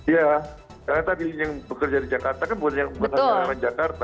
ya karena tadi yang bekerja di jakarta kan bukan yang bekerja di jakarta